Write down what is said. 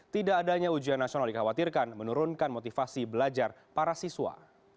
tidak adanya ujian nasional dikhawatirkan menurunkan motivasi belajar para siswa